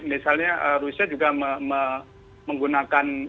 misalnya rusia juga menggunakan